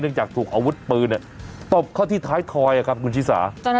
เนื่องจากถูกเอาอาวุธปืนเนี่ยตบเข้าที่ท้ายทอยครับคุณชิสา